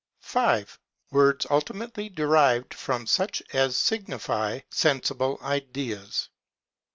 5. Words ultimately derived from such as signify sensible Ideas.